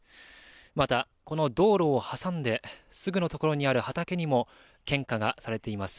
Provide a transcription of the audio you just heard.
また、この道路を挟んですぐの所にある畑にも献花がされています。